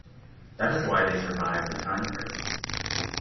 That is why they survived the time crisis.